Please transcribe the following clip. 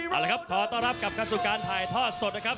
เอาละครับขอต้อนรับกับกันสู่การไทยท่าสดนะครับ